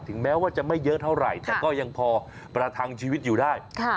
แม้ว่าจะไม่เยอะเท่าไหร่แต่ก็ยังพอประทังชีวิตอยู่ได้